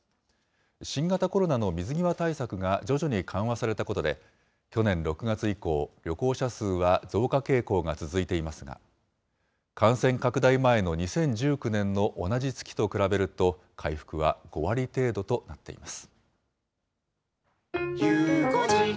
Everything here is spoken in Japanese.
新型コロナの水際対策が徐々に緩和されたことで、去年６月以降、旅行者数は増加傾向が続いていますが、感染拡大前の２０１９年の同じ月と比べると回復は５割程度となっています。